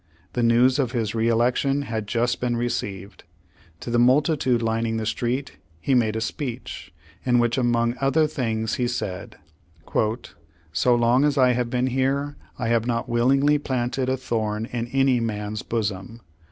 The news of his re election had just been received. To the multitude lining the street, he made a speech, in which among other things, he said : "So long as I have been here I have not willingly planted a thorn in any man's bosom.